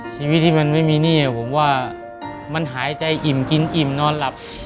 ชีวิตที่มันไม่มีหนี้ผมว่ามันหายใจอิ่มกินอิ่มนอนหลับ